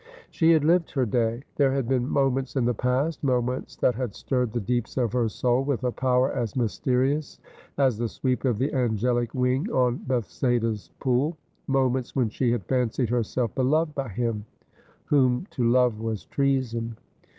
She had lived her day. There had been moments in the past ; moments that had stirred the deeps of her soul with a power as mysterious as the sweep of the angelic wing on Bethsaida's pool ; moments when she had fancied herself beloved by him, whom to love was treason.